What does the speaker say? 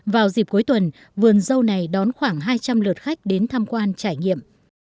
vào dịp cuối tuần vườn dâu này đón khoảng hai trăm linh lượt khách đến tham quan trải nghiệm